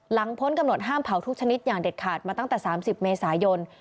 พ้นกำหนดห้ามเผาทุกชนิดอย่างเด็ดขาดมาตั้งแต่๓๐เมษายน